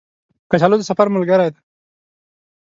کچالو د سفر ملګری دی